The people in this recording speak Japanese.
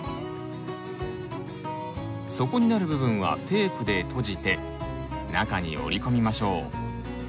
底になる部分はテープで閉じて中に折り込みましょう。